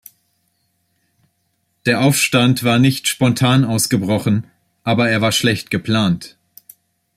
Der Aufstand war nicht spontan ausgebrochen, aber er war schlecht geplant.